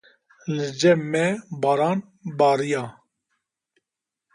Li cem me baran barîya